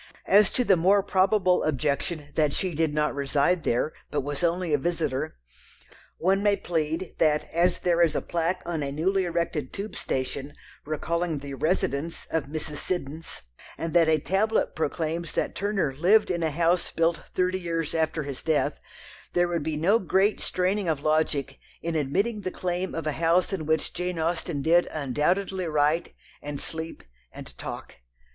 As to the more probable objection that she did not "reside" there, but was only a visitor, one may plead that as there is a plaque on a newly erected tube station recalling the "residence" of Mrs. Siddons, and that a tablet proclaims that Turner "lived" in a house built thirty years after his death, there would be no great straining of logic in admitting the claim of a house in which Jane Austen did undoubtedly write, and sleep, and talk.